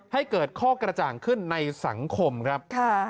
ให้เกิดข้อกระจ่างขึ้นในสังคมครับ